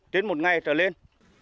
trên một ngày trở lên